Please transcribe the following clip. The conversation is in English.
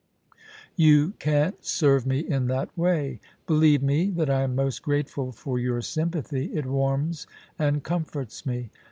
You can't serve me in that way. Believe me, that I am most grateful for your sympathy ; it warms and comforts me.